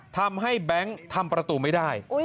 ทำให้แบงค์ทำประตูไม่ได้